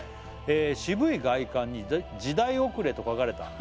「渋い外観に時代遅れと書かれた」